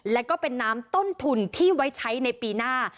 และก็เป็นน้ำต้นทุนที่ไว้ใช้ในปีหน้า